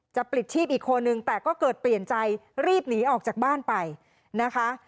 ปลิดชีพอีกคนนึงแต่ก็เกิดเปลี่ยนใจรีบหนีออกจากบ้านไปนะคะ